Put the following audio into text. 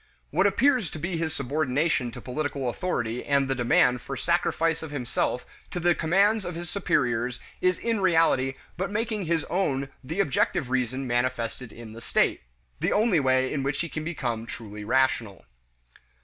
What appears to be his subordination to political authority and the demand for sacrifice of himself to the commands of his superiors is in reality but making his own the objective reason manifested in the state the only way in which he can become truly rational.